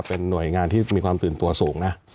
เป็นหน่วยงานที่มีความตื่นตัวสูงนะ